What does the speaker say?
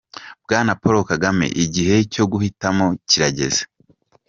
Bwana Paul Kagame, igihe cyo guhitamo kirageze.